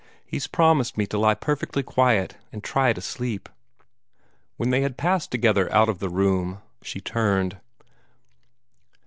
He's promised me to lie perfectly quiet, and try to sleep." When they had passed together out of the room, she turned.